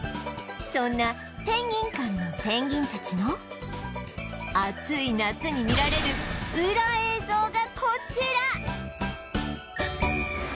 そんなぺんぎん館のペンギンたちの暑い夏に見られるウラ映像がこちら！